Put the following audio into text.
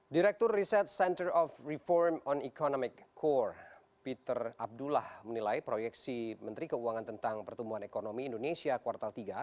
direktur riset center of reform on economic core peter abdullah menilai proyeksi menteri keuangan tentang pertumbuhan ekonomi indonesia kuartal tiga